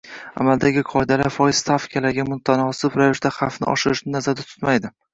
Amaldagi qoidalar foiz stavkalariga mutanosib ravishda xavfni oshirishni nazarda tutmaydi